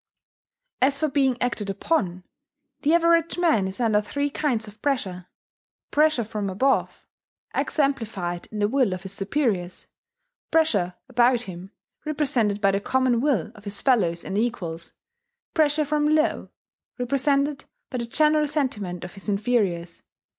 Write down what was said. As for being acted upon, the average man is under three kinds of pressure: pressure from above, exemplified in the will of his superiors; pressure about him, represented by the common will of his fellows and equals; pressure from below, represented by the general sentiment of his inferiors.